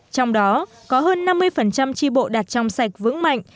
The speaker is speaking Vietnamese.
trong đó có hơn năm mươi tri bộ đạt trong sạch vững mạnh